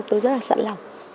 tôi rất là sẵn lòng